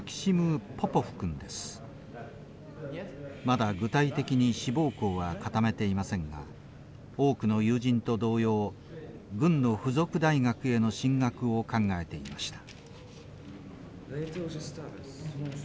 まだ具体的に志望校は固めていませんが多くの友人と同様軍の付属大学への進学を考えていました。